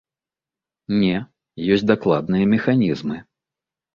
Не, ёсць дакладныя механізмы.